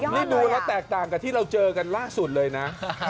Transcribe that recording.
นี่ดูแล้วแตกต่างกับที่เราเจอกันล่าสุดเลยนะ